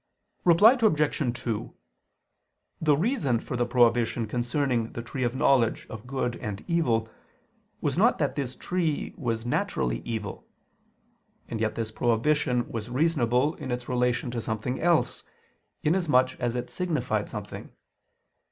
Reply Obj. 2: The reason for the prohibition concerning the tree of knowledge of good and evil was not that this tree was naturally evil: and yet this prohibition was reasonable in its relation to something else, in as much as it signified something.